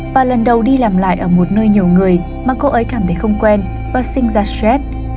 bà lần đầu đi làm lại ở một nơi nhiều người mà cô ấy cảm thấy không quen và sinh ra stress